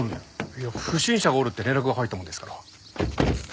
いや不審者がおるって連絡が入ったもんですから。